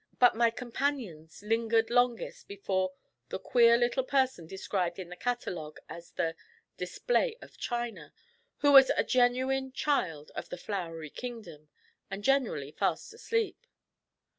But my companions lingered longest before the queer little person described in the catalogue as the 'Display of China,' who was a genuine child of the Flowery Kingdom, and generally fast asleep.